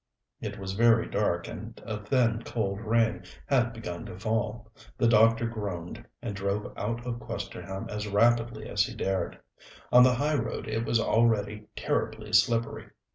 It was very dark, and a thin, cold rain had begun to fall. The doctor groaned, and drove out of Questerham as rapidly as he dared. On the high road it was already terribly slippery.